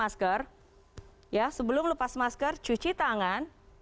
sebelum melepas masker cuci tangan